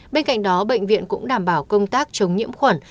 bên cạnh đó bệnh viện cũng đảm bảo công tác chống nhiễm khuẩn